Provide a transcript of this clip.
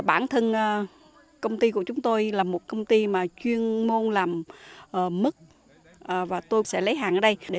bản thân công ty của chúng tôi là một công ty mà chuyên môn làm mứt và tôi sẽ lấy hàng ở đây để